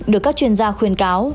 được các chuyên gia khuyên cáo